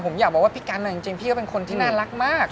ผมอยากบอกว่าพี่กันจริงพี่ก็เป็นคนที่น่ารักมาก